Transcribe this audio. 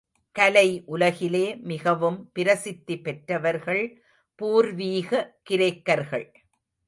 கலை உலகிலே மிகவும் பிரசித்தி பெற்றவர்கள் பூர்வீக கிரேக்கர்கள்.